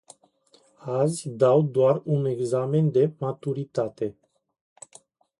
Azi dau doar un examen de maturitate.